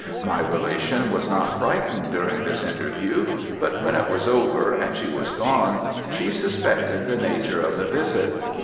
My relation was not frightened during this interview; but when it was over, and she was gone, she suspected the nature of the visit.